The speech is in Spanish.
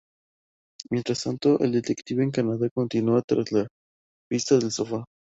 Mientras tanto, el detective, en Canadá, continúa tras la pista del sofá.